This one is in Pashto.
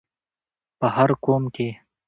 په هر قوم کې